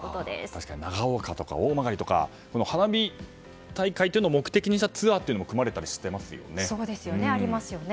確かに、長岡とか、大曲とか花火大会というのを目的にしたツアーも組まれたりしていますよね。ありますよね。